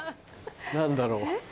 何だろう。